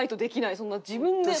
そんな自分で。